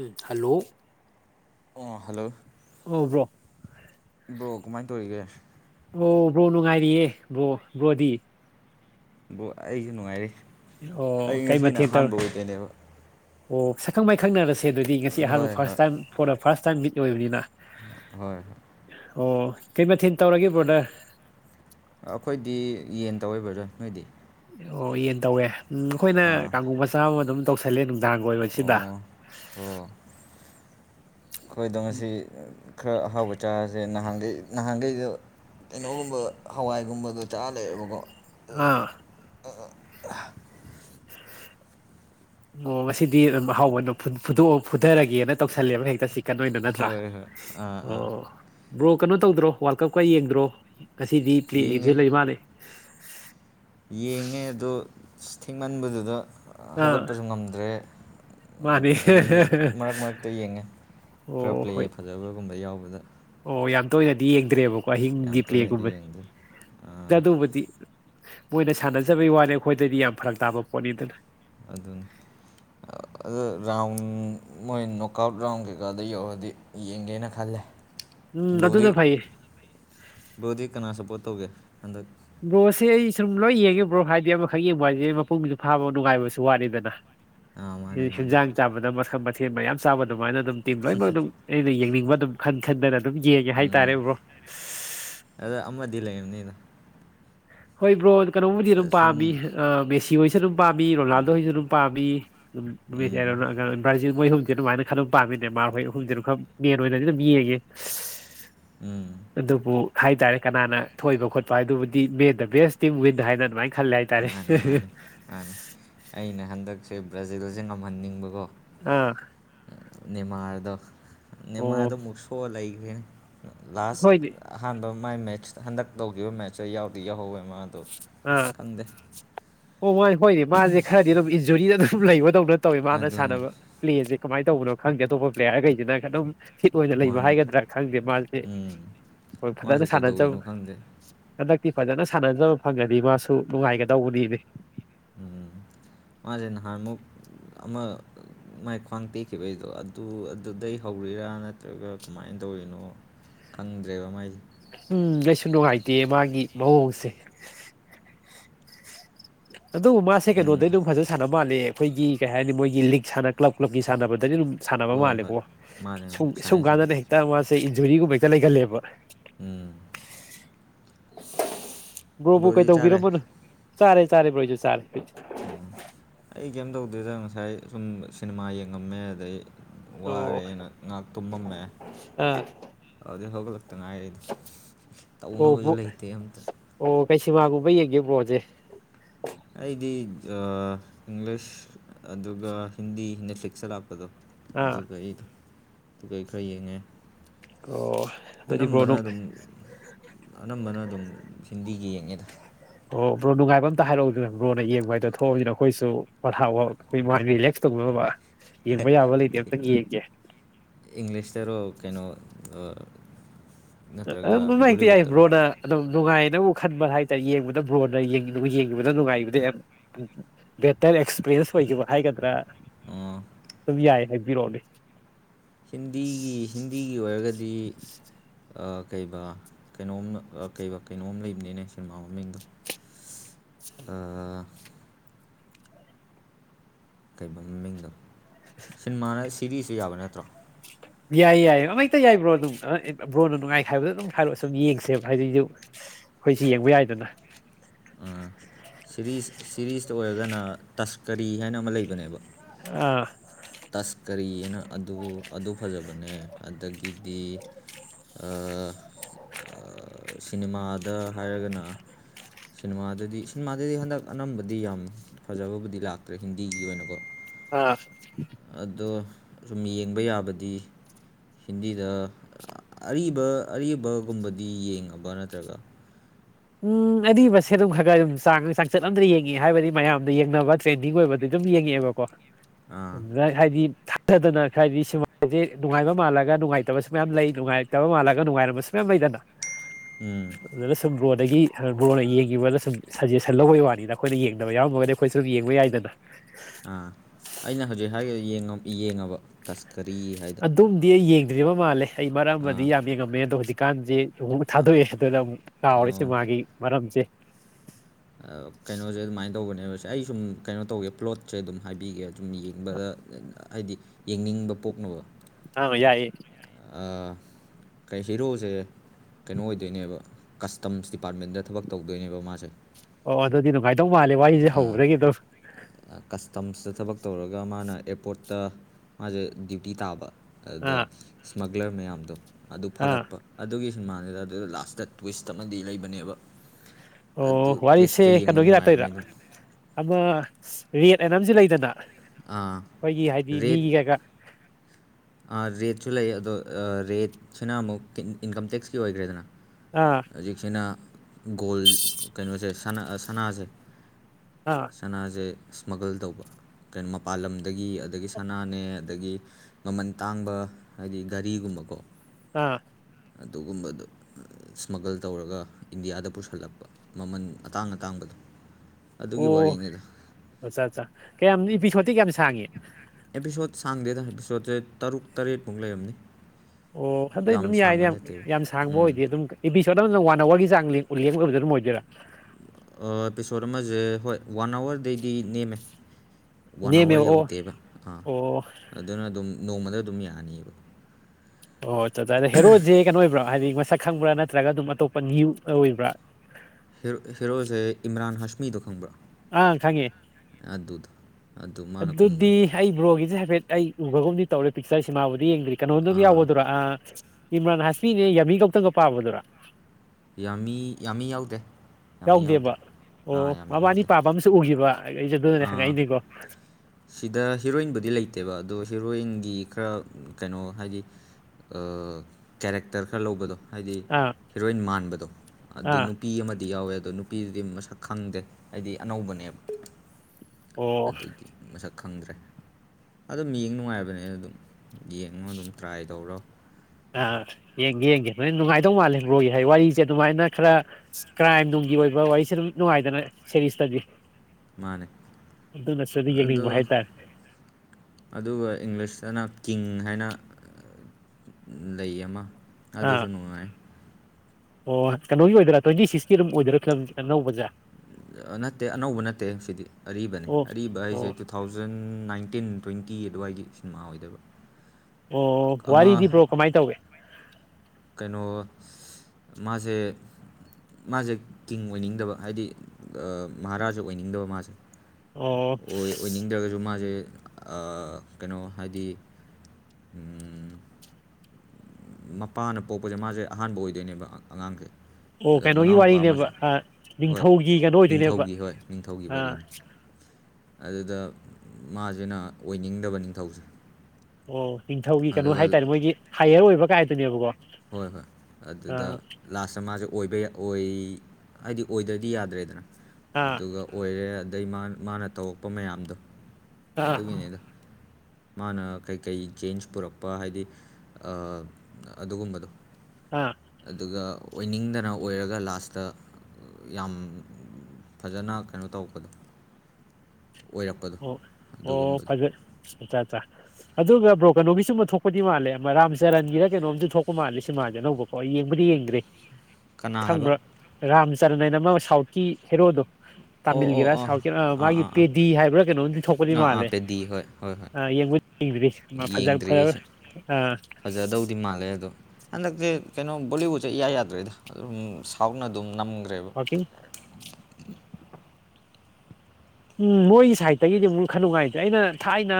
ꯎꯝ hello ꯑꯥ hello ꯑꯧꯕ꯭ꯔꯣ bro ꯀꯃꯥꯏꯟ ꯇꯧꯔꯤꯒꯦ ꯑꯣ ꯕ꯭ꯔꯣ ꯅꯨꯡꯉꯥꯏꯔꯤꯌꯦ ꯕ꯭ꯔꯣ ꯕ꯭ꯔꯣꯗꯤ ꯕ꯭ꯔꯣ ꯑꯩꯖꯨ ꯅꯨꯡꯉꯥꯏꯔꯤ ꯑꯣ ꯑꯩ ꯀꯩ ꯉꯁꯤꯅ ꯃꯊꯦꯟ ꯇ ꯑꯍꯥꯟꯕ ꯑꯣꯏꯗꯣꯏꯅꯦꯕ ꯑꯣ ꯁꯛꯈꯪ ꯃꯥꯏ ꯈꯪꯅꯔꯁꯦ ꯑꯗꯨꯗꯤ ꯉꯁꯤ ꯑꯍꯥꯟꯕ ꯍꯣꯏ ꯍꯣꯏ ꯐꯥꯔꯁ ꯇꯥꯏꯝ ꯐꯣꯔ ꯗꯥ ꯐꯥꯔꯁ ꯇꯥꯏꯝ ꯃꯤꯠ ꯑꯣꯏꯕꯅꯤꯅꯥ ꯍꯣꯏ ꯑꯣ ꯀꯩ ꯃꯊꯦꯟ ꯇꯧꯔꯒꯦ ꯕꯔꯗꯔ ꯑꯩꯈꯣꯏꯗꯤ ꯌꯦꯟ ꯇꯧꯋꯦ ꯕꯔꯗꯔ ꯅꯣꯏꯗꯤ ꯑꯣ ꯌꯦꯟ ꯇꯧꯋꯦ ꯎꯝ ꯑꯈꯣꯏꯅ ꯑꯥ ꯀꯥꯡꯉꯧ ꯃꯆꯥ ꯃ ꯑꯗꯨꯝ ꯇꯧꯁꯜꯂꯦ ꯑꯗꯨꯝ ꯑꯣꯏꯕꯁꯤꯗꯥ ꯑꯈꯣꯏꯗꯣ ꯉꯁꯤ ꯈꯔ ꯑꯍꯥꯎꯕ ꯆꯁꯦ ꯅꯍꯥꯟ ꯗꯤ ꯅꯍꯥꯟꯒꯩꯗꯤ ꯀꯩꯅꯣꯒꯨꯝꯕ ꯍꯋꯥꯏꯒꯨꯝꯕꯗꯣ ꯆꯥ ꯂꯩꯔꯦꯕꯀꯣ ꯑꯥ ꯑꯥ ꯑꯣ ꯉꯁꯤꯗꯤ ꯑꯗꯨꯝ ꯑꯍꯥꯎꯕꯅ ꯐꯨ ꯐꯨꯗꯣꯛ ꯐꯨꯗꯔꯒꯦꯅ ꯇꯧꯁꯜꯂꯦꯕ ꯍꯦꯛꯇ ꯆꯤꯛ ꯀꯟ ꯑꯣꯏꯅ ꯅꯠꯇ꯭ꯔꯥ ꯍꯣꯏ ꯍꯣꯏ ꯑꯥ ꯑꯥ ꯑꯣ ꯕ꯭ꯔꯣ ꯀꯅꯣ ꯇꯧꯗ꯭ꯔꯣ ꯋꯥꯔꯜ ꯀꯞꯀ ꯌꯦꯡꯗ꯭ꯔꯣ ꯉꯁꯤꯗꯤ ꯄ꯭ꯂꯦꯖꯨ ꯌꯦꯡꯉꯦ ꯂꯩ ꯃꯥꯜꯂꯦ ꯌꯦꯡꯉꯦ ꯑꯗꯣ ꯊꯦꯡꯃꯟꯕꯗꯨꯗ ꯑꯥ ꯍꯧꯒꯠꯄꯖꯨ ꯉꯝꯗ꯭ꯔꯦ ꯃꯥꯅꯦ ꯑꯗꯒꯤ ꯃꯔꯛ ꯃꯔꯛꯇ ꯌꯦꯡꯉꯦ ꯈꯔ ꯑꯣ ꯍꯣꯏ ꯄ꯭ꯂꯦꯑꯦ ꯐꯖꯕꯒꯨꯝꯕ ꯌꯥꯎꯕꯗꯥ ꯑꯣ ꯌꯥꯝ ꯇꯣꯏꯅꯗꯤ ꯌꯦꯡꯗ꯭ꯔꯦꯕ ꯋꯍꯤꯡꯒꯤ ꯌꯥꯝ ꯄꯂꯦꯒꯨꯝꯕ ꯇꯣꯏꯅꯗꯤ ꯌꯦꯡꯗꯦ ꯆꯥꯗꯨꯕꯨꯗꯤ ꯃꯣꯏꯅ ꯁꯥꯟꯅꯖꯕꯩ ꯋꯥꯅꯤ ꯑꯈꯣꯏꯗꯗꯤ ꯌꯥꯝ ꯐꯔꯛ ꯇꯥꯕ ꯄꯣꯠꯅꯤꯗꯅꯥ ꯑꯗꯨꯅꯦ ꯑꯗꯨ ꯔꯥꯎꯟ ꯃꯣꯏ ꯅꯣꯛ ꯑꯥꯎꯠ ꯔꯥꯎꯟ ꯀꯩꯀꯥꯗꯣ ꯌꯧꯔꯗꯤ ꯌꯦꯡꯒꯦꯅꯥ ꯈꯜꯂꯦ ꯎꯝ ꯕ꯭ꯔꯣꯗꯤ ꯑꯗꯨꯅ ꯐꯩꯌꯦ ꯕ꯭ꯔꯣꯗꯤ ꯀꯅꯥ ꯁꯄꯣꯠ ꯇꯧꯒꯦ ꯍꯟꯗꯛ ꯕ꯭ꯔꯣꯁꯦ ꯑꯩ ꯁꯨꯝ ꯂꯣꯏ ꯌꯦꯡꯉꯦ ꯕ꯭ꯔꯣ ꯍꯥꯏꯗꯤ ꯑꯃꯈꯛ ꯌꯦꯡꯕ ꯍꯥꯏꯖꯦ ꯃꯄꯨꯡꯁꯨ ꯐꯥꯕ ꯅꯨꯡꯉꯥꯏꯕꯁꯨ ꯋꯥꯠꯂꯤꯗꯅꯥ ꯑꯥ ꯍꯦ ꯃꯥꯅꯦ ꯃꯥꯅꯦ ꯍꯦꯟꯖꯥꯡ ꯆꯥꯕꯗ ꯃꯈꯜ ꯃꯊꯦꯜ ꯃꯌꯥꯝ ꯆꯥꯕ ꯑꯗꯨꯃꯥꯏꯅ ꯑꯗꯨꯝ ꯇꯤꯝ ꯂꯣꯏꯅꯃꯛ ꯑꯗꯨꯝ ꯑꯩꯅ ꯌꯦꯡꯅꯤꯡꯕ ꯑꯗꯨꯝ ꯈꯟ ꯈꯟꯗꯅ ꯑꯗꯨꯝ ꯌꯦꯡꯒꯦ ꯎꯝ ꯍꯥꯏꯇꯥꯔꯦ ꯕ꯭ꯔꯣ ꯑꯗ ꯑꯃꯗꯤ ꯂꯩꯔꯝꯅꯤꯗ ꯍꯣꯏ ꯕ꯭ꯔꯣ ꯀꯩꯅꯣꯝꯕꯨꯗꯤ ꯑꯗꯨꯝ ꯄꯥꯝꯃꯤ ꯁꯨꯝ ꯑꯥ ꯃꯦꯁꯤ ꯍꯣꯏꯁꯨ ꯑꯗꯨꯝ ꯄꯥꯝꯃꯤ ꯔꯣꯅꯥꯜꯗꯣ ꯍꯣꯏꯁꯨ ꯑꯗꯨꯝ ꯄꯥꯝꯃꯤ ꯎꯝ [unintelligible] ꯁꯤ ꯑꯗꯨꯃꯥꯏꯅ ꯈꯟꯅ ꯑꯗꯨꯝ ꯄꯥꯝꯃꯤ ꯅꯦꯃꯔꯍꯣꯢ ꯑꯍꯨꯝꯁꯤ ꯑꯗꯨꯝ ꯈꯔ ꯃꯦꯟ ꯑꯣꯏꯅꯗꯤ ꯑꯗꯨꯝ ꯌꯦꯡꯉꯦ ꯎꯝ ꯑꯗꯨꯕꯨ ꯍꯥꯏꯇꯥꯔꯦ ꯀꯅꯥꯅ ꯊꯣꯛꯢꯕ ꯈꯣꯠꯄ ꯍꯥꯏꯗꯨꯕꯨꯗꯤ ꯃꯦꯟꯗ ꯕꯔꯁ ꯇꯤꯝ ꯋꯤꯟ ꯍꯥꯏꯗ ꯃꯥꯅꯤ ꯃꯥꯅꯤ ꯃꯥꯅꯤ ꯑꯩꯅ ꯍꯟꯗꯛꯁꯦ ꯕ꯭ꯔꯥꯖꯤꯜꯁꯦ ꯉꯝꯍꯟꯅꯤꯡꯕꯀꯣ ꯑꯥ ꯅꯦꯃꯥꯔꯗꯣ ꯑꯣ ꯅꯦꯃꯥꯔꯗꯣ ꯑꯃꯨꯛ ꯁꯣꯛꯑ ꯂꯩꯈ꯭ꯔꯦꯅꯦ ꯂꯥꯁ ꯍꯣꯏꯅꯦ ꯑꯍꯥꯟꯕ ꯃꯥꯏ ꯃꯦꯠꯆ ꯍꯟꯗꯛ ꯇꯧꯈꯤꯕ ꯃꯦꯠꯆꯁꯇ ꯌꯥꯎꯗꯤ ꯌꯥꯎꯍꯧꯋꯦ ꯃꯥꯗꯣ ꯑꯥ ꯈꯪꯗꯦ ꯑꯣ ꯍꯣꯏ ꯍꯣꯏꯅꯦ ꯃꯥꯁꯦ ꯈꯔꯗꯤ ꯑꯗꯨꯝ ꯏꯟꯖꯨꯔꯤꯗ ꯑꯗꯨꯝ ꯂꯩꯕꯗꯧꯅ ꯇꯧꯋꯤ ꯃꯥꯅ ꯑꯗꯨꯅꯤ ꯁꯥꯟꯅꯕ ꯄ꯭ꯂꯦꯁꯦ ꯀꯃꯥꯏꯅ ꯇꯧꯕꯅꯣ ꯈꯪꯗꯦ ꯑꯇꯣꯞꯄ ꯄ꯭ꯂꯦꯌꯥꯔꯈꯩꯁꯤꯅ ꯑꯗꯨꯝ ꯐꯤꯠ ꯑꯣꯏꯅ ꯂꯩꯕ ꯃꯥꯅꯦ ꯍꯥꯏꯒꯗ꯭ꯔꯥ ꯈꯪꯗꯦ ꯃꯥꯁꯦ ꯎꯝ ꯍꯣꯏ ꯐꯖꯅ ꯃꯥꯁꯦ ꯁꯥꯟꯖꯧ ꯀꯩꯗꯧꯋꯤꯅꯣ ꯈꯪꯗꯦ ꯍꯟꯗꯥꯛ ꯇꯤ ꯐꯖꯅ ꯁꯥꯟꯅꯖꯕ ꯐꯪꯉꯗꯤ ꯃꯥꯁꯨ ꯅꯨꯡꯉꯥꯏꯒꯗꯧꯕꯅꯤꯅꯦ ꯎꯝ ꯃꯥꯅꯍꯥꯟ ꯑꯃꯨꯛ ꯑꯃ ꯃꯥꯏ ꯈ꯭ꯋꯥꯡ ꯇꯦꯛꯈꯤꯕꯩꯗꯣ ꯑꯗꯨ ꯑꯗꯨꯗꯩ ꯍꯧꯔꯤꯔꯥ ꯅꯠꯇ꯭ꯔꯒ ꯀꯃꯥꯏꯅ ꯇꯧꯔꯤꯅꯣ ꯈꯪꯗ꯭ꯔꯦꯕ ꯃꯥꯏꯁꯦ ꯎꯝ ꯑꯩꯁꯨ ꯅꯨꯡꯉꯥꯏꯇꯦ ꯃꯥꯒꯤ ꯃꯑꯣꯡꯁꯦ ꯑꯗꯨ ꯃꯥꯁꯦ ꯎꯝ ꯀꯩꯅꯣꯗꯩ ꯑꯗꯨꯝ ꯐꯖꯅ ꯁꯥꯟꯅꯕ ꯃꯥꯜꯂꯦ ꯑꯩꯈꯣꯏꯒꯤ ꯀꯩ ꯍꯥꯏꯅꯤ ꯃꯣꯏꯒꯤ ꯂꯤꯛ ꯁꯥꯟꯅ ꯀ꯭ꯂꯕ ꯀ꯭ꯂꯕꯀꯤ ꯁꯥꯟꯅꯕꯗꯗꯤ ꯑꯗꯨꯝ ꯁꯥꯟꯅꯕ ꯍꯣꯏ ꯍꯣꯏ ꯃꯥꯜꯂꯦꯀꯣ ꯃꯥꯅꯦ ꯁꯨꯝ ꯃꯥꯅꯦ ꯁꯨꯝ ꯁꯥꯟꯅꯩ ꯁꯥꯟꯅꯩ ꯀꯥꯟꯗꯅ ꯍꯦꯛꯇ ꯃꯥꯁꯦ ꯏꯟꯖꯨꯔꯤꯒꯨꯝꯕ ꯍꯦꯛꯇ ꯂꯩꯒꯜꯂꯦꯕ ꯎꯝ ꯕ꯭ꯔꯣꯕꯨ ꯕꯣꯔꯤ ꯆꯥꯔꯦ ꯀꯩꯗꯧꯕꯤꯔꯝꯕꯅꯣ ꯆꯥꯔꯦ ꯆꯥꯔꯦ ꯕ꯭ꯔꯣꯁꯨ ꯆꯥꯔꯦ ꯎꯝ ꯑꯩ ꯀꯩꯝ ꯇꯧꯗꯣꯏꯗ ꯉꯁꯥꯏ ꯁꯨꯝ ꯁꯤꯅꯦꯃꯥ ꯌꯦꯡꯉꯝꯃꯦ ꯑꯗꯩ ꯑꯣ ꯋꯥꯔꯦꯅ ꯉꯥꯏꯍꯥꯛ ꯇꯨꯝꯃꯝꯃꯦ ꯑꯥ ꯑꯗꯨꯗ ꯍꯧꯒꯠꯂꯒ ꯈꯛꯇ ꯉꯥꯏꯔꯔꯤ ꯑꯣ ꯇꯧꯅꯕꯁꯨ ꯕ꯭ꯔꯣ ꯂꯩꯇꯦ ꯑꯝꯇ ꯑꯣ ꯀꯩ ꯁꯤꯃ ꯒꯨꯝꯕ ꯌꯦꯡꯒꯦ ꯕꯔꯣ ꯁꯦ ꯑꯩꯗꯤ ꯏꯪꯂꯤꯁ ꯑꯗꯨꯒ ꯍꯤꯟꯗꯤ ꯅꯦꯠꯐꯤꯂꯤꯁꯇ ꯂꯥꯛꯄ ꯗꯣ ꯑꯥ ꯑꯗꯨꯒ ꯑꯩ ꯀꯩ ꯈꯔ ꯌꯦꯡꯉꯦ ꯑꯣ ꯑꯗꯨꯗꯤ ꯕ꯭ꯔꯣ ꯑꯅꯝꯕꯅ ꯅꯨꯡ ꯑꯗꯨꯝ ꯑꯅꯝꯕꯅ ꯑꯗꯨꯝ ꯍꯤꯟꯗꯤꯒꯤ ꯌꯦꯡꯉꯦ ꯑꯣ ꯕ꯭ꯔꯣ ꯅꯨꯡꯉꯥꯏꯕ ꯑꯝꯇ ꯍꯥꯏꯔꯛꯎꯗꯨꯅ ꯕ꯭ꯔꯣꯅ ꯌꯦꯡꯕ ꯍꯥꯏꯗꯣ ꯊꯣꯛꯑꯅꯤꯅ ꯑꯩꯈꯣꯏꯁꯨ ꯄꯣꯊꯥꯕ ꯑꯩꯈꯣꯏ ꯃꯥꯏꯟ ꯔꯤꯂꯦꯛꯁ ꯇꯧꯅꯕ ꯌꯦꯡꯕ ꯌꯥꯕ ꯂꯩꯇꯦ ꯑꯝꯇꯪ ꯌꯦꯡꯒꯦ ꯏꯪꯂꯤꯁꯇꯔꯣ ꯀꯩꯅꯣ ꯑꯥ ꯑꯗꯨꯝ ꯑꯃ ꯍꯦꯛꯇ ꯌꯥꯢꯌꯦ ꯕ꯭ꯔꯣꯅ ꯑꯗꯨꯝ ꯅꯨꯡꯉꯥꯏꯅ ꯈꯟꯕ ꯍꯥꯏꯇꯥꯔꯦ ꯌꯦꯡꯕꯗ ꯕ꯭ꯔꯣꯟꯅ ꯌꯦꯡꯉꯕꯗ ꯅꯨꯡꯉꯥꯏꯕꯗꯨ ꯑ ꯕꯦꯇꯔ ꯑꯦꯛꯁꯄꯔꯤꯟꯁ ꯑꯣꯏꯈꯤꯕ ꯍꯥꯏꯒꯗ꯭ꯔꯥ ꯑꯣ ꯑꯗꯨꯝ ꯌꯥꯏ ꯍꯥꯏꯕꯤꯔꯛꯑꯣꯅꯦ ꯍꯤꯟꯗꯤꯒꯤ ꯍꯤꯟꯗꯤꯒꯤ ꯑꯣꯏꯔꯒꯗꯤ ꯑꯥ ꯀꯩꯕꯥ ꯀꯩꯅꯣꯝ ꯀꯩ ꯀꯩꯅꯣꯝ ꯂꯩꯕꯅꯤꯅꯦ ꯁꯤꯅꯦꯃꯥ ꯃꯃꯤꯡꯗꯣ ꯑꯥ ꯀꯩ ꯃꯃꯤꯡꯗꯣ ꯁꯤꯅꯃꯥꯅ ꯁꯤꯔꯤꯁꯨ ꯌꯥꯕ ꯅꯠꯇ꯭ꯔꯣ ꯌꯥꯏꯌꯦ ꯌꯥꯏꯌꯦ ꯑꯃꯛꯇ ꯌꯥꯏꯕ꯭ꯔꯣ ꯑꯗꯨꯝ ꯕ꯭ꯔꯣꯅ ꯅꯨꯡꯉꯥꯏ ꯍꯥꯏꯕꯗꯣ ꯑꯗꯨꯝ ꯍꯥꯏꯔꯛꯑꯣ ꯁꯨꯝ ꯌꯦꯡꯁꯦꯕ ꯍꯥꯏꯗꯤ ꯑꯩꯈꯣꯏ ꯁꯤ ꯌꯦꯡꯕ ꯌꯥꯏꯗꯅ ꯑ ꯁꯤꯔꯤꯁ ꯁꯤꯔꯤꯁꯇ ꯑꯣꯏꯔꯒꯅ ꯇꯁꯀꯔꯤ ꯍꯥꯏꯅ ꯑꯃ ꯂꯩꯕꯅꯦꯕ ꯑꯥ ꯇꯁꯀꯔꯤꯑꯅ ꯑꯗꯨ ꯑꯗꯨ ꯐꯖꯕꯅꯦ ꯑꯗꯒꯤꯗꯤ ꯁꯤꯅꯦꯃꯥꯗ ꯍꯥꯏꯔꯒꯅ ꯁꯤꯅꯦꯃꯥꯗꯗꯤ ꯁꯤꯅꯦꯃꯥꯗꯗꯤ ꯍꯟꯗꯛ ꯑꯅꯝꯕꯗꯤ ꯌꯥꯝ ꯐꯖꯕꯕꯨꯗꯤ ꯂꯥꯛꯇ꯭ꯔꯦ ꯍꯤꯟꯗꯤꯒꯤ ꯑꯣꯏꯅꯀꯣ ꯑꯥ ꯑꯗꯣ ꯗꯨꯝ ꯌꯦꯡꯕ ꯌꯥꯕꯗꯤ ꯍꯤꯟꯗꯤꯗ ꯑꯔꯤꯕ ꯑꯔꯤꯕꯒꯨꯝꯕꯗꯤ ꯌꯦꯡꯉꯥꯕ ꯅꯠꯇ꯭ꯔꯒ ꯎꯝ ꯑꯔꯤꯕꯁꯦ ꯑꯗꯨꯝ ꯈꯒ ꯈꯒ ꯑꯗꯨꯝ ꯆꯥꯡ ꯆꯥꯡꯆꯠꯃꯗ ꯌꯦꯡꯉꯤ ꯍꯥꯏꯕꯗꯤ ꯃꯌꯥꯝꯗ ꯌꯦꯡꯅꯕ ꯇ꯭ꯔꯦꯟꯗꯤ ꯑꯣꯏꯕ ꯑꯗꯨꯨꯝ ꯌꯦꯡꯉꯦꯛꯕꯀꯣ ꯑꯥ ꯑꯗꯨꯗ ꯍꯥꯏꯗꯤ ꯊꯥꯖꯗꯅ ꯍꯥꯗꯤ ꯁꯤꯝꯃꯁꯦ ꯅꯨꯡꯉꯥꯏꯕ ꯃꯥꯜꯂꯒ ꯅꯨꯡꯉꯥꯏꯇꯕꯁꯨ ꯃꯌꯥꯝ ꯂꯩ ꯅꯨꯡꯉꯥꯏꯇꯕ ꯃꯥꯜꯂꯒ ꯅꯨꯡꯉꯥꯏꯔꯝꯕꯁꯨ ꯃꯌꯥꯝ ꯂꯩꯗꯅ ꯎꯝ ꯑꯗꯨꯗ ꯁꯨꯝ ꯕ꯭ꯔꯣꯗꯒꯤ ꯕ꯭ꯔꯣꯅ ꯌꯦꯡꯒꯤꯕꯗ ꯁꯨꯝ ꯁꯥꯖꯦꯁꯟ ꯂꯧꯕꯒꯤ ꯋꯥꯅꯤꯗ ꯑꯩꯈꯣꯏꯅ ꯌꯦꯡꯗꯕ ꯌꯥꯎꯔꯝꯃꯒꯗꯤ ꯑꯩꯈꯣꯏꯁꯨ ꯁꯨꯝ ꯌꯦꯡꯕ ꯌꯥꯏꯗꯅ ꯑꯥ ꯑꯩꯅ ꯍꯧꯖꯤꯛ ꯍꯥꯏꯒꯤꯕ ꯌꯦꯡꯉꯥꯕ ꯌꯦꯡꯉꯥꯕ ꯇꯁ ꯑꯗꯨꯝꯗꯤ ꯑꯩ ꯌꯦꯡꯗ꯭ꯔꯤꯕ ꯃꯥꯜꯂꯦ ꯑꯩ ꯃꯔꯛ ꯑꯃꯗꯤ ꯑꯥ ꯌꯥꯝ ꯌꯦꯡꯉꯝꯃꯦ ꯑꯗꯣ ꯍꯧꯖꯤꯛꯀꯥꯟꯗꯤ ꯨꯑ ꯋꯨꯛ ꯊꯥꯗꯣꯛꯑꯦ ꯑꯗꯨꯅ ꯑꯃꯨꯛ ꯀꯥꯎꯔꯦ ꯁꯤꯃꯥꯒꯤ ꯃꯔꯝꯖꯦ ꯑ ꯀꯩꯅꯣꯖꯦ ꯑꯗꯨꯃꯥꯏꯅ ꯇꯧꯕꯅꯦꯕꯁꯦ ꯑꯩ ꯁꯨꯝ ꯀꯩꯅꯣ ꯇꯧꯒꯦ ꯄ꯭ꯂꯣꯠꯁꯦ ꯑꯗꯨꯝ ꯍꯥꯏꯕꯤꯒꯦ ꯑꯗꯨꯨꯝ ꯌꯦꯡꯕꯗ ꯍꯥꯏꯗꯤ ꯌꯦꯡꯅꯤꯡꯕ ꯄꯣꯛꯅꯕ ꯑꯧ ꯌꯥꯏꯌꯦ ꯑ ꯀꯩ ꯍꯤꯔꯣꯖꯦ ꯀꯩꯅꯣ ꯑꯣꯏꯗꯣꯏꯅꯦꯕ ꯀꯁꯇꯝꯁ ꯗꯤꯄꯥ꯭ꯔꯠꯃꯦꯟꯗ ꯊꯕꯛ ꯇꯧꯗꯣꯏꯅꯦꯕ ꯃꯥꯖꯦ ꯑꯣ ꯑꯗꯨꯗꯤ ꯅꯨꯡꯉꯥꯏꯗꯧ ꯃꯥꯜꯂꯦ ꯋꯥꯔꯤꯖꯦ ꯍꯧꯕꯗꯒꯤ ꯑꯗꯨꯝ ꯀꯁꯇꯝꯁꯇ ꯊꯕꯛ ꯇꯧꯔꯒ ꯃꯥꯅ ꯑꯦꯔꯄꯣꯔꯠꯇ ꯃꯥꯖꯦ ꯗ꯭ꯌꯨꯇꯤ ꯇꯥꯕ ꯑꯗꯨꯗ ꯑꯥ ꯏꯁꯃꯒ꯭ꯂꯔ ꯃꯌꯥꯝꯗꯣ ꯑꯗꯨ ꯑꯥ ꯐꯒꯠꯄ ꯑꯗꯨꯒꯤ ꯁꯤꯃꯥꯅꯦꯗ ꯑꯗꯨꯗ ꯂꯥꯁꯇ ꯇꯨꯋꯤꯁ ꯑꯃꯗꯤ ꯂꯩꯕꯅꯦꯕ ꯑꯣ ꯑꯗꯨ ꯋꯥꯔꯤꯁꯦ ꯇ꯭ꯋꯤꯁꯇꯣ ꯌꯦꯡꯕ ꯀꯩꯅꯣꯒꯤ ꯇꯥꯏꯞ ꯅꯨꯡꯉꯥꯏꯕꯅꯦ ꯇꯧꯔꯥ ꯑꯗꯨꯝ ꯑꯃ ꯔꯦꯠ ꯑꯅ ꯑꯃꯖꯨ ꯂꯩꯗꯅ ꯑꯥ ꯑꯩꯈꯣꯏꯒꯤ ꯍꯥꯏꯗꯤ ꯃꯤꯒꯤ ꯀꯩꯀꯥ ꯑꯥ ꯔꯦꯠꯁꯨ ꯂꯩ ꯑꯗꯣ ꯔꯦꯠꯁꯤꯅ ꯑꯃꯨꯛ ꯏꯟꯀꯝ ꯇꯦꯛꯁꯀꯤ ꯑꯣꯏꯈ꯭ꯔꯦꯗꯅ ꯑꯥ ꯍꯧꯖꯤꯛꯁꯤꯅ ꯒꯣꯜ ꯀꯩꯅꯣꯖꯦ ꯁꯅꯥꯖꯦ ꯑꯥ ꯁꯅꯥꯖꯦ ꯁ꯭ꯃꯒꯜ ꯇꯧꯕ ꯀꯩ ꯃꯄꯥꯟ ꯂꯝꯗꯒꯤ ꯑꯗꯒꯤ ꯁꯅꯥꯅꯦ ꯑꯗꯒꯤ ꯃꯃꯟ ꯇꯥꯡꯕ ꯍꯥꯏꯗꯤ ꯒꯔꯤꯒꯨꯝꯕꯀꯣ ꯑꯥ ꯑꯗꯨꯒꯨꯝꯕꯗꯣ ꯏꯁꯃꯒꯜ ꯇꯧꯔꯒ ꯏꯟꯗꯤꯌꯥꯗ ꯄꯨꯁꯜꯂꯛꯄ ꯃꯃꯜ ꯑꯇꯥꯡ ꯑꯇꯥꯡꯕꯗꯣ ꯑꯗꯨꯒꯤ ꯑꯣ ꯋꯥꯔꯤꯅꯤꯗ ꯑꯠꯆꯥ ꯑꯠꯆꯥ ꯀꯌꯥꯝ ꯏꯄꯤꯁꯣꯠꯇꯤ ꯀꯌꯥꯝ ꯁꯥꯡꯉꯤ ꯑꯦꯄꯤꯁꯣꯠ ꯁꯥꯡꯗꯦꯗ ꯑꯦꯄꯤꯁꯣꯠꯁꯦ ꯇꯔꯨꯛ ꯇꯔꯦꯠꯃꯨꯛ ꯂꯩꯔꯝꯅꯤ ꯑꯣ ꯑꯗꯩ ꯌꯥꯝ ꯑꯗꯨꯝ ꯌꯥꯏꯅ ꯁꯥꯡꯕ ꯌꯥꯝ ꯅꯠꯇꯦ ꯌꯥꯝ ꯁꯥꯡꯕ ꯎꯝ ꯑꯣꯏꯗꯦ ꯑꯗꯨꯝ ꯏꯄꯤꯁꯣꯠ ꯃꯗ ꯋꯥꯟ ꯑꯋꯥꯔꯒꯤ ꯆꯥꯡ ꯂꯦꯡꯒꯗꯕ ꯑꯗꯨꯝ ꯑꯣꯏꯗꯣꯏꯔꯥ ꯑꯥ ꯏꯄꯤꯁꯣꯠꯖꯦ ꯍꯣꯏ ꯋꯥꯟ ꯑꯋꯥꯔꯗꯤ ꯗꯤ ꯅꯦꯝꯃꯦ ꯋꯥꯟ ꯅꯦꯝꯃꯦꯕ ꯑꯋꯥꯔ ꯑꯣ ꯌꯧꯗꯦꯕ ꯑꯥ ꯑꯣ ꯑꯗꯨꯅ ꯑꯗꯨꯝ ꯅꯣꯡꯃꯗ ꯑꯗꯨꯝ ꯌꯥꯅꯤꯑꯕ ꯑꯣ ꯑꯆꯠꯗ ꯍꯦꯔꯣꯖꯤ ꯀꯩꯅꯣ ꯑꯣꯏꯕ꯭ꯔꯣ ꯍꯥꯏꯗꯤ ꯃꯁꯛ ꯈꯪꯕ꯭ꯔꯥ ꯅꯠꯇ꯭ꯔꯒ ꯑꯗꯨꯝ ꯑꯇꯣꯞꯄ ꯅꯤꯌꯨ ꯑꯣꯏꯕ꯭ꯔꯥ ꯍꯦ ꯍꯦꯔꯣꯖꯦ ꯏꯝꯔꯥꯟ ꯍꯁꯃꯤꯗꯣ ꯈꯪꯕ꯭ꯔꯣ ꯑꯪ ꯈꯪꯉꯦ ꯑꯗꯨ ꯃꯥꯅ ꯀꯨꯝꯕꯅꯤ ꯑꯗꯨꯗꯤ ꯑꯩ ꯕ꯭ꯔꯣꯒꯤꯖꯦ ꯍꯥꯏꯐꯦꯠ ꯑꯩ ꯎꯒꯔꯒꯨꯝꯗꯤ ꯇꯧꯔꯦ ꯄꯤꯛꯆꯔ ꯁꯤꯃꯥꯕꯨꯗꯤ ꯌꯦꯡꯗ꯭ꯔꯤ ꯀꯩꯅꯣꯗꯒ ꯑꯥ ꯌꯥꯎꯕꯗꯨꯔꯥ ꯑꯥ ꯏꯝꯔꯥꯟ ꯍꯁꯃꯤꯅꯦ ꯌꯥꯃꯤ ꯒꯧꯇꯝꯒ ꯄꯥꯕꯗꯨꯔꯥ ꯌꯥꯝꯃꯤ ꯌꯥꯝꯃꯤ ꯌꯥꯎꯗꯦ ꯌꯥꯝꯃꯤ ꯌꯥꯎꯗꯦ ꯌꯥꯎꯗꯦꯕ ꯑꯣ ꯑꯥ ꯌꯥꯝꯃꯤ ꯃꯥꯕꯅꯤ ꯌꯥꯎꯗꯦ ꯄꯥꯕ ꯑꯃꯁꯨ ꯎꯒꯤꯕ ꯑꯩꯖꯦ ꯑꯗꯨꯅꯅꯦ ꯑꯥ ꯍꯪꯉꯛꯏꯅꯦꯀꯣ ꯁꯤꯗ ꯍꯤꯔꯣꯏꯟꯕꯨꯗꯤ ꯂꯩꯇꯦꯕ ꯑꯗꯨ ꯍꯤꯔꯣꯏꯟꯒꯤ ꯈꯔ ꯀꯩꯅꯣ ꯍꯥꯏꯗꯤ ꯑꯥ ꯀꯦꯔꯦꯛꯇ꯭ꯔ ꯈꯔ ꯂꯧꯕꯗꯣ ꯍꯥꯏꯗꯤ ꯑꯥ ꯍꯦꯔꯣꯏꯟ ꯃꯥꯟꯕꯗꯣ ꯑꯗꯨ ꯑꯥ ꯅꯨꯄꯤ ꯑꯃꯗꯤ ꯌꯥꯎꯋꯦ ꯑꯗꯣ ꯅꯨꯄꯤꯗꯨꯗꯤ ꯃꯁꯛ ꯈꯪꯗꯦ ꯍꯥꯏꯗꯤ ꯑꯅꯧꯕꯅꯦꯕ ꯑꯣ ꯑꯗꯨꯒꯤ ꯃꯁꯛ ꯈꯪꯗ꯭ꯔꯦ ꯑꯗꯨꯝ ꯌꯦꯡ ꯅꯨꯡꯉꯥꯏꯕꯅꯦ ꯑꯗꯨꯝ ꯌꯦꯡꯉꯣ ꯑꯗꯨꯝ ꯇ꯭ꯔꯥꯏ ꯇꯧꯔꯣ ꯑꯥ ꯌꯦꯡꯒꯦ ꯌꯦꯡꯒꯦ ꯍꯣꯔꯦꯟ ꯅꯨꯡꯉꯥꯏꯗꯧ ꯃꯥꯜꯂꯦ ꯍꯕ꯭ꯔꯣꯒꯤ ꯍꯥꯏ ꯋꯥꯔꯤꯁꯦ ꯑꯗꯨꯃꯥꯏꯅ ꯈꯔ ꯀ꯭ꯔꯥꯏꯝ ꯅꯨꯡ ꯒꯤ ꯑꯣꯏꯕ ꯋꯥꯔꯤꯁꯦ ꯑꯗꯨ ꯅꯨꯡꯉꯥꯏꯗꯅ ꯁꯔꯤꯁꯇꯗꯤ ꯃꯥꯅꯦ ꯑꯗꯨ ꯅ ꯁꯨꯅꯤ ꯌꯦꯡ ꯅꯤꯡꯕ ꯑꯗꯨ ꯍꯥꯏ ꯇꯔꯦ ꯑꯗꯨꯒ ꯏꯪꯂꯤꯁꯇꯅ ꯀꯤꯡ ꯍꯥꯏꯅ ꯂꯩ ꯑꯃ ꯑꯥ ꯑꯗꯨꯁꯨ ꯅꯨꯡꯉꯥꯏ ꯑꯣ ꯀꯩꯅꯣꯒꯤ ꯑꯣꯏꯗꯣꯏꯔꯥ ꯇ꯭ꯋꯦꯟꯇꯤ ꯁꯤꯛꯁꯀꯤ ꯑꯗꯨꯝ ꯑꯣꯏꯗꯣꯏꯔꯥ ꯐꯤꯂꯝꯁꯦ ꯑꯅꯧꯕꯁꯦ ꯅꯠꯇꯦ ꯑꯅꯧꯕ ꯅꯠꯇꯦ ꯁꯤꯗꯤ ꯑꯔꯤꯕꯅꯤ ꯑꯣ ꯑꯔꯤꯕ ꯑꯩꯁꯦ ꯑꯣ ꯇꯨ ꯊꯥꯎꯖꯟ ꯅꯥꯏꯟꯇꯤꯟ ꯇ꯭ꯋꯦꯟꯇꯤ ꯑꯗꯨꯋꯥꯏꯒꯤ ꯁꯤꯃꯥ ꯑꯣꯏꯗꯣꯢꯕ ꯑꯣ ꯋꯥꯔꯤꯗꯤ ꯕ꯭ꯔꯣ ꯀꯃꯥꯏ ꯇꯧꯒꯦ ꯀꯩꯅꯣ ꯃꯥꯁꯦ ꯃꯥꯁꯦ ꯀꯤꯡ ꯑꯣꯏꯅꯤꯡꯗꯕ ꯍꯥꯏꯗꯤ ꯃꯍꯥꯔꯥꯖ ꯑꯣꯏꯅꯤꯡꯗꯕ ꯃꯥꯁꯦ ꯑꯣ ꯑꯣꯏ ꯑꯣꯏꯅꯤꯡꯗ꯭ꯔꯒꯁꯨ ꯃꯥꯁꯦ ꯑꯥ ꯀꯩꯅꯣ ꯍꯥꯏꯗꯤ ꯎꯝ ꯃꯄꯥꯅ ꯄꯣꯛꯄꯁꯦ ꯃꯥꯁꯦ ꯑꯍꯥꯟꯕ ꯑꯣꯏꯗꯣꯏꯅꯦꯕ ꯑꯉꯥꯡꯁꯦ ꯑꯣ ꯑꯗꯣ ꯀꯩꯅꯣꯒꯤ ꯃꯅꯥꯎꯅꯨꯄꯥ ꯑꯃꯁꯨ ꯋꯥꯔꯤꯅꯦꯕ ꯍꯣꯏ ꯅꯤꯡꯊꯧꯒꯤ ꯀꯩꯅꯣ ꯑꯣꯏꯗꯣꯏꯅꯦꯕ ꯅꯤꯡꯊꯧꯒꯤ ꯍꯣꯏ ꯅꯤꯡꯊꯧꯒꯤ ꯑꯥ ꯋꯥꯔꯤꯅꯤ ꯑꯗꯨꯗ ꯃꯥꯖꯤꯅ ꯑꯣꯏꯅꯤꯡꯗꯕ ꯅꯤꯡꯊꯧꯁꯦ ꯑꯣ ꯅꯤꯡꯊꯧꯒꯤ ꯀꯩꯅꯣ ꯑꯗꯨꯒ ꯍꯥꯏꯇꯥꯔꯦ ꯃꯣꯏꯒꯤ ꯍꯥꯏꯌꯔ ꯑꯣꯏꯕ ꯀꯥꯏꯗꯨꯅꯦꯕꯀꯣ ꯍꯣꯏ ꯍꯣꯏ ꯑꯥ ꯑꯗꯨꯗ ꯂꯥꯁꯇ ꯃꯥꯁꯦ ꯑꯣꯏꯕ ꯌꯥ ꯑꯣꯏ ꯍꯥꯏꯗꯤ ꯑꯣꯏꯗ꯭ꯔꯗꯤ ꯌꯥꯗ꯭ꯔꯦꯗꯅ ꯑꯥ ꯑꯗꯨꯒ ꯑꯣꯏꯔꯦ ꯑꯗꯩ ꯃꯥꯅ ꯃꯥꯅ ꯇꯧꯔꯛꯄ ꯃꯌꯥꯝꯗꯣ ꯑꯥ ꯑꯗꯨꯒꯤꯅꯤꯗ ꯃꯥꯅ ꯀꯩꯀꯩ ꯆꯦꯟꯖ ꯄꯨꯔꯛꯄ ꯍꯥꯏꯗꯤ ꯑꯥ ꯑꯗꯨꯒꯨꯝꯕꯗꯣ ꯑꯥ ꯑꯗꯨꯒ ꯑꯣꯏꯅꯤꯡꯗꯅ ꯑꯣꯏꯔꯒ ꯂꯥꯁꯇ ꯌꯥꯝ ꯐꯖꯅ ꯀꯩꯅꯣ ꯇꯧꯕꯗꯣ ꯑꯣ ꯑꯣ ꯑꯗꯨꯒꯨꯝꯕꯗꯣ ꯐꯖ ꯑꯆꯥꯆꯥ ꯑꯗꯨꯒ ꯕ꯭ꯔꯣ ꯀꯩꯅꯣꯒꯤꯁꯨ ꯑꯃ ꯊꯣꯛꯄꯗꯤ ꯃꯥꯜꯂꯦ ꯃꯔꯥꯝ ꯆꯔꯟꯒꯤꯔ ꯀꯩꯅꯣꯝꯗꯤ ꯊꯣꯛꯄ ꯃꯥꯜꯂꯦ ꯁꯤꯃꯥꯁꯦ ꯑꯅꯧꯕꯀꯣ ꯌꯦꯡꯕꯨꯗꯤ ꯌꯦꯡꯗ꯭ꯔꯤ ꯀꯅꯥ ꯍꯥꯏꯕ ꯈꯪꯕ꯭ꯔꯥ ꯔꯥꯝꯆꯔꯟ ꯍꯥꯏꯅ ꯑꯃ ꯁꯥꯎꯠꯀꯤ ꯍꯦꯔꯣꯗꯣ ꯑꯣ ꯑꯣ ꯇꯥꯃꯤꯜꯒꯤꯔ ꯑꯣ ꯁꯥꯎꯠꯀꯤꯔ ꯑꯥ ꯃꯥꯒꯤ ꯑꯥ ꯑꯥ ꯄꯦꯗꯤ ꯍꯥꯏꯕ꯭ꯔꯥ ꯀꯩꯅꯣꯝꯗꯤ ꯊꯣꯛꯄꯗꯤ ꯑꯥ ꯑꯥ ꯃꯥꯜꯂꯦ ꯄꯦꯗꯤ ꯍꯣꯏ ꯍꯣꯏ ꯍꯣꯏ ꯑꯥ ꯌꯦꯡꯕꯨꯗꯤ ꯌꯦꯡꯗ꯭ꯔꯤ ꯐꯖ ꯌꯦꯡꯗ꯭ꯔꯤ ꯐ ꯑꯩꯁꯨ ꯑꯥ ꯐꯖꯗꯧꯗꯤ ꯃꯥꯜꯂꯦ ꯑꯗꯣ ꯍꯟꯗꯛꯇꯤ ꯀꯩꯅꯣ ꯕꯣꯂꯤꯋꯨꯗꯁꯦ ꯏꯌꯥ ꯌꯥꯗ꯭ꯔꯦꯗ ꯑꯗꯨꯝ ꯁꯥꯎꯠꯅ ꯑꯗꯨꯝ ꯅꯝ ꯋꯥꯀꯤꯡ ꯎꯝ ꯃꯣꯏꯒꯤ ꯁꯥꯏꯗꯠꯇꯒꯤꯗꯤ ꯑꯃꯨꯛ ꯈ ꯅꯨꯡꯉꯥꯏꯇꯦ ꯑꯩꯅ ꯊꯥꯏꯅ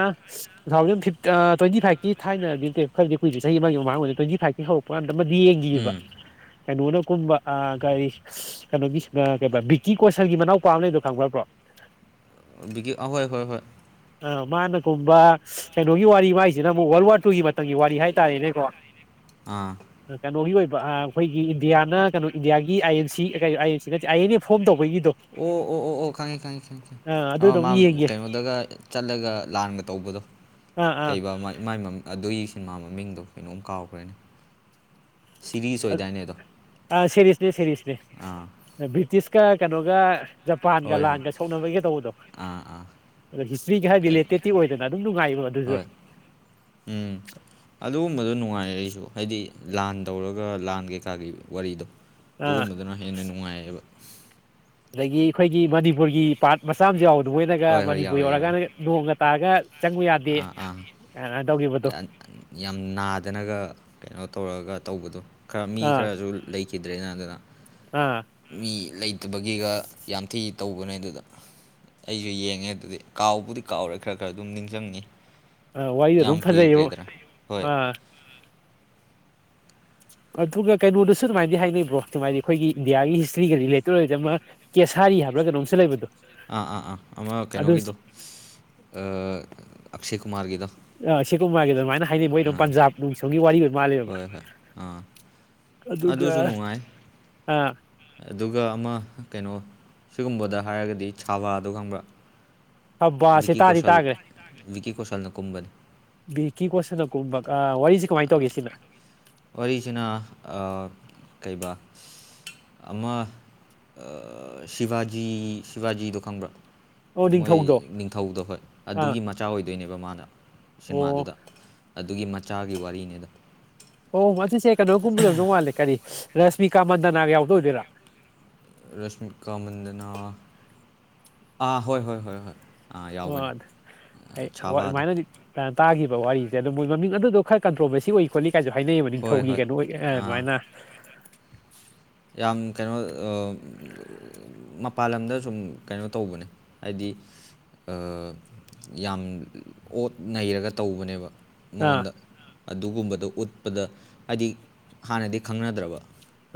ꯇꯨ ꯊꯥꯎꯖꯟ ꯐꯤꯕ ꯑꯥ ꯇ꯭ꯋꯦꯟꯇꯤ ꯐꯥꯏꯚꯀꯤ ꯊꯥꯏꯅꯗꯤ ꯅꯠꯇꯦ ꯈꯔꯗꯤ ꯀꯨꯏꯦ ꯆꯍꯤ ꯑꯃꯒꯤ ꯃꯃꯥꯡ ꯑꯣꯏꯅꯤ ꯇ꯭ꯋꯦꯟꯇꯤ ꯐꯥꯏꯚꯀꯤ ꯍꯧꯔꯛꯄ ꯀꯥꯟꯗ ꯑꯃꯗꯤ ꯌꯦꯡꯒꯤꯕ ꯎꯝ ꯀꯩꯅꯣꯅ ꯀꯨꯝꯕ ꯑꯥ ꯀꯔꯤ ꯀꯩꯅꯣꯒꯤ ꯑꯥ ꯀꯩꯕ ꯕꯤꯀꯤ ꯀꯣꯁꯜꯒꯤ ꯃꯅꯥꯎꯄꯥꯥꯃ ꯂꯩꯗꯣ ꯈꯪꯕ꯭ꯔ ꯕꯣꯔ ꯕꯤꯀꯤ ꯑꯍꯣꯏ ꯍꯣꯏ ꯍꯣꯏ ꯃꯥꯅ ꯀꯨꯝꯕ ꯀꯩꯅꯣꯒꯤ ꯋꯥꯔꯤ ꯃꯥꯏꯁꯤꯅ ꯑꯃꯨꯛ ꯋꯥꯔꯜ ꯋꯥꯔ ꯇꯨꯒꯤ ꯃꯇꯝꯒꯤ ꯋꯥꯔꯤ ꯍꯥꯏꯇꯥꯔꯦꯅꯦꯀꯣ ꯑꯥ ꯀꯩꯅꯣꯒꯤ ꯑꯣꯏ ꯑꯥ ꯑꯩꯈꯣꯏꯒꯤ ꯏꯟꯗꯤꯌꯥꯅ ꯀꯩꯅꯣ ꯏꯟꯗꯤꯌꯥꯒꯤ ꯑꯥꯏ ꯑꯦꯟ ꯁꯤ ꯑꯀꯩ ꯑꯥꯏ ꯑꯦꯟ ꯁꯤ ꯅꯠꯇꯦ ꯑꯥꯏ ꯑꯦꯟ ꯑꯦ ꯐꯣꯔꯝ ꯇꯧ ꯑꯣ ꯑꯣ ꯑꯣ ꯑꯣ ꯈꯪꯉꯦ ꯈꯪꯉꯦ ꯈꯪ ꯈꯪ ꯑꯥ ꯑꯗꯨꯗꯣ ꯃꯥ ꯑꯃꯨꯛ ꯌꯦꯡꯒꯦ ꯀꯩꯅꯣꯗꯒ ꯆꯠꯂꯒ ꯂꯥꯟꯒ ꯇꯧꯕꯗꯣ ꯑꯥ ꯑꯥ ꯀꯩꯕ ꯑꯃ ꯃꯥꯢ ꯃꯃꯤ ꯑꯗꯨꯒꯤ ꯁꯤꯟꯃꯥ ꯃꯃꯤꯡꯗꯣ ꯀꯩꯅꯣꯝ ꯀꯥꯎꯒ꯭ꯔꯦꯅꯦ ꯑꯥ ꯁꯦꯔꯤꯁꯅꯦ ꯁꯦꯔꯤꯁꯅꯦ ꯑꯥ ꯕ꯭ꯔꯤꯇꯤꯁꯀ ꯀꯩꯅꯣꯒ ꯖꯄꯥꯟꯒ ꯍꯣꯏ ꯍꯣꯏ ꯂꯥꯟꯒ ꯁꯣꯛꯅꯕꯩꯒ ꯇꯧꯕꯗꯣ ꯑꯥ ꯑꯥ ꯎꯝ ꯍꯤꯁꯇ꯭ꯔꯤꯒꯤ ꯍꯥꯏ ꯔꯤꯂꯦꯇꯦꯠꯇꯤ ꯑꯩ- ꯑꯣꯏꯗꯅ ꯑꯗꯨꯝ ꯅꯨꯡꯉꯥꯏꯕꯣ ꯑꯗꯨꯁꯨ ꯍꯣꯏ ꯎꯝ ꯑꯗꯨꯒꯨꯝꯕꯗꯣ ꯅꯨꯡꯉꯥꯏ ꯑꯩꯖꯨ ꯎꯝ ꯍꯥꯏꯗꯤ ꯂꯥꯟ ꯇꯧꯔꯒ ꯂꯥꯟ ꯀꯩꯀꯥꯒꯤ ꯋꯥꯔꯤꯗꯣ ꯑꯥ ꯑꯗꯨꯒꯨꯝꯕꯗꯨꯅ ꯍꯦꯟꯅ ꯅꯨꯡꯉꯥꯏꯌꯦꯕ ꯑꯗꯒꯤ ꯑꯩꯈꯣꯏꯒꯤ ꯃꯅꯤꯄꯨꯔꯒꯤ ꯄꯥꯔꯠ ꯃꯆꯥ ꯑꯃꯁꯨ ꯌꯥꯎꯕ ꯇꯣꯏꯅꯒ ꯍꯣꯏ ꯍꯣꯏ ꯃꯅꯤꯄꯨꯔ ꯌꯥꯎꯋꯦ ꯌꯧꯔꯒ ꯌꯥꯎꯋꯦ ꯅꯣꯡꯒ ꯇꯥꯔꯒ ꯆꯪꯕ ꯌꯥꯗꯦ ꯑꯥ ꯑꯥ ꯀꯥꯢꯅ ꯌꯥꯝ ꯅꯥꯗꯅꯒ ꯀꯩꯅꯣ ꯇꯧꯔꯒ ꯇꯧꯕꯗꯣ ꯈꯔ ꯃꯤ ꯑꯥ ꯈꯔꯁꯨ ꯂꯩꯈꯤꯗ꯭ꯔꯦꯅ ꯑꯗꯨꯅ ꯑꯥ ꯃꯤ ꯂꯩꯇꯕꯒꯤꯒ ꯌꯥꯝ ꯊꯤ ꯇꯧꯕꯅꯦ ꯑꯗꯨꯗ ꯑꯩꯖꯨ ꯌꯦꯡꯉꯦ ꯑꯗꯨꯗꯤ ꯀꯥꯎꯕꯨꯗꯤ ꯀꯥꯎꯔꯦ ꯈꯔ ꯈꯔ ꯑꯗꯨꯝ ꯅꯤꯡꯖꯪꯉꯤ ꯑꯥ ꯋꯥꯔꯤꯗꯣ ꯑꯗꯨꯝ ꯐꯖꯩꯌꯦꯕ ꯑꯥ ꯑꯗꯨꯒ ꯀꯩꯅꯣꯗꯁꯨ ꯑꯗꯨꯃꯥꯏꯗꯤ ꯍꯥꯏꯅꯩ ꯕ꯭ꯔꯣ ꯑꯗꯨꯃꯥꯏꯗꯤ ꯑꯩꯈꯣꯏꯒꯤ ꯏꯟꯗꯤꯌꯥꯒꯤ ꯍꯤꯁꯇ꯭ꯔꯤꯒ ꯔꯤꯂꯦꯇꯦꯠ ꯑꯣꯏꯗꯤ ꯀꯦꯁꯥ ꯀꯔꯤ ꯍꯥꯏꯕ꯭ꯔ ꯀꯩꯅꯣꯝꯁꯨ ꯂꯩꯕꯗꯣ ꯑꯥ ꯑꯥ ꯑꯥ ꯑꯃ ꯑꯗꯨ ꯀꯩꯅꯣꯒꯤꯗꯣ ꯑꯥ ꯑꯛꯁꯦ ꯀꯨꯃꯥꯔꯒꯤꯗ ꯑꯛꯁꯤꯀꯨꯃꯔꯒꯤꯗꯣ ꯑꯗꯨꯃꯥꯏꯅ ꯍꯥꯏꯅꯩ ꯃꯣꯏꯗꯣ ꯑꯥ ꯄꯟꯖꯥꯞ ꯅꯨꯡ ꯁꯣꯝꯒꯤ ꯋꯥꯔꯤ ꯑꯣꯏ ꯃꯥꯜꯂꯦꯕ ꯍꯣꯏ ꯍꯣꯏ ꯑꯥ ꯑꯗꯨꯒ ꯑꯗꯨꯁꯨ ꯅꯨꯡꯉꯥꯏ ꯑꯥ ꯑꯗꯨꯒ ꯑꯃ ꯀꯩꯅꯣ ꯁꯤꯒꯨꯝꯕꯗ ꯍꯥꯏꯔꯒꯗꯤ ꯁꯥꯕꯗꯣ ꯈꯪꯕ꯭ꯔ ꯑꯞꯕꯁꯦ ꯇꯥꯗꯤ ꯇꯥꯈ꯭ꯔꯦ ꯚꯤꯀꯤ ꯀꯣꯁꯜꯅ ꯀꯨꯝꯕꯅꯤ ꯕꯤꯀꯤ ꯀꯣꯁꯟꯅ ꯀꯨꯝꯕ ꯑ ꯋꯥꯔꯤꯁꯦ ꯀꯃꯥꯏꯅ ꯇꯧꯒꯦ ꯁꯤꯅ ꯋꯥꯔꯤꯁꯤꯅ ꯑ ꯀꯩꯕ ꯑꯃ ꯁꯤꯚꯖꯤ ꯁꯤꯚꯖꯤꯗꯣ ꯈꯪꯕ꯭ꯔꯥ ꯑꯣ ꯃꯣꯏ ꯅꯤꯡꯊꯧꯗꯣ ꯅꯤꯡꯊꯧꯗꯣ ꯍꯣꯏ ꯑꯥ ꯑꯗꯨꯒꯤ ꯃꯆꯥ ꯑꯣꯏꯗꯣꯏꯅꯦꯕ ꯃꯥꯅ ꯑꯣ ꯁꯤꯃꯥꯗꯨꯗ ꯑꯗꯨꯒꯤ ꯃꯆꯥꯒꯤ ꯋꯥꯔꯤꯅꯤꯗ ꯑꯣ ꯃꯁꯤꯁꯦ ꯀꯩꯅꯣꯅ ꯀꯨꯝꯕꯗꯣ ꯑꯣꯏꯗꯧ ꯃꯥꯜꯂꯦ ꯀꯔꯤ ꯔꯁꯃꯤꯀꯥ ꯃꯟꯗꯅꯒ ꯌꯥꯎꯕꯗꯣ ꯑꯣꯏꯗꯣꯏꯔꯥ ꯔꯁꯃꯤꯀꯥ ꯃꯟꯗꯅꯥ ꯑꯥ ꯍꯣꯏ ꯍꯣꯏ ꯍꯣꯏ ꯍꯣꯏ ꯑꯥ ꯌꯥꯎꯕꯅꯤ ꯍꯣꯏ ꯑꯩꯪ ꯆꯥꯕꯥꯗ ꯃꯥꯏꯅꯗꯤ ꯑ ꯇꯥꯈꯤꯕ ꯋꯥꯔꯤꯁꯦ ꯑꯗꯣ ꯃꯣꯏ ꯃꯃꯤꯡ ꯒꯗꯨꯗꯣ ꯈꯔ ꯀꯟꯇ꯭ꯔꯣꯕꯔꯁꯤ ꯑꯣꯏ ꯈꯣꯠꯂꯤ ꯀꯥꯏꯁꯨ ꯍꯥꯏꯅꯩꯌꯦꯕ ꯍꯣꯏ ꯅꯤꯡꯊꯧꯒꯤ ꯍꯣꯏ ꯀꯩꯅꯣ ꯑꯣꯏ ꯑ ꯑꯥ ꯗꯨꯃꯥꯏꯅ ꯌꯥꯝ ꯀꯩꯅꯣ ꯑ ꯎꯝ [unintelligible] ꯃꯄꯥꯟ ꯂꯝꯗ ꯁꯨꯝ ꯀꯩꯅꯣ ꯇꯧꯕꯅꯦ ꯍꯥꯏꯗꯤ ꯑꯥ ꯌꯥꯝ ꯑꯣꯠ ꯅꯩꯔꯒ ꯇꯧꯕꯅꯦꯕ ꯑꯥ ꯃꯉꯣꯟꯗ ꯑꯗꯨꯒꯨꯝꯕꯗꯣ ꯎꯠꯄꯗ ꯍꯥꯏꯗꯤ ꯍꯥꯟꯅꯗꯤ ꯈꯪꯅꯗ꯭ꯔꯕ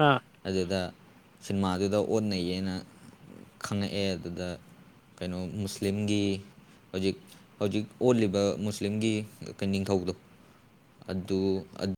ꯑꯥ ꯑꯗꯨꯗ ꯁꯤꯟꯃꯥꯗꯨꯗ ꯑꯣꯠꯅꯩꯌꯦꯅ ꯈꯉꯛꯑꯦ ꯑꯗꯨꯗ ꯀꯩꯅꯣ ꯃꯨꯁꯂꯤꯝꯒꯤ ꯍꯧꯖꯤꯛ ꯍꯧꯖꯤꯛ ꯑꯣꯜꯂꯤꯕ ꯃꯨꯁꯂꯤꯝꯒꯤ ꯀ ꯅꯤꯡꯊꯧꯗꯣ ꯑꯗꯨ ꯑꯠ